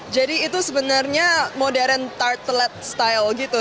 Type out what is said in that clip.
jadi itu sebenarnya modern tart telur